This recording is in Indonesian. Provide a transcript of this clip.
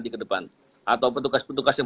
di ke depan atau petugas petugas yang